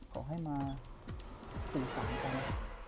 ขอให้มาสื่อสารกัน